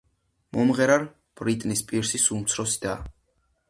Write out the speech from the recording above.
მომღერალ ბრიტნი სპირსის უმცროსი და.